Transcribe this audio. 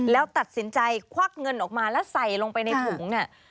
แล้วตัดสินใจควักเงินออกมาแล้วใส่ลงไปในถุงเนี่ย